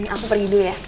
aku pergi dulu ya